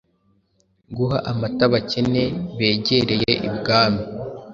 guha amata abakene begereye ibwami.